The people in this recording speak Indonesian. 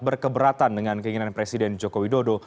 berkeberatan dengan keinginan presiden joko widodo